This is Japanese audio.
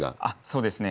そうですね。